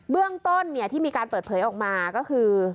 เรื่องต้นที่มีการเปิดเผยออกมาก็คือ